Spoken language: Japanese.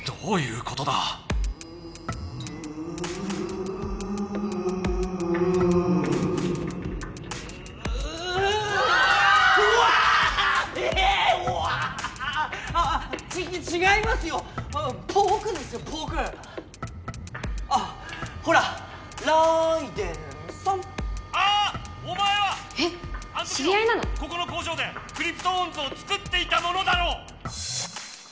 ここの工場でクリプトオンズをつくっていたものだろ！